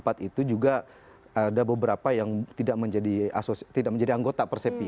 jadi dari tiga puluh empat itu juga ada beberapa yang tidak menjadi anggota resepi